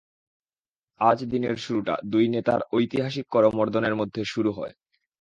আজ দিনের শুরুটা দুই নেতার ঐতিহাসিক করমর্দনের মধ্যে শুরু হয়।